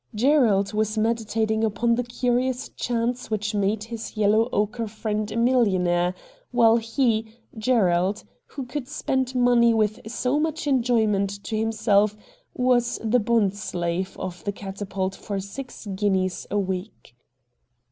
Gerald was meditating upon the curious chance which made his yellow ochre friend a millionaire, while he, Gerald, who could spend money with so much enjoyment to himself, was the bondslave of the ' Catapult ' for six guineas a week.